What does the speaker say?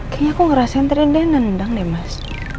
kayaknya aku ngerasain tadi dia nendang deh mas